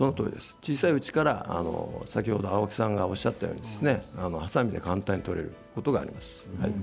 小さいうちから青木さんがおっしゃったようにはさみで簡単に取れます。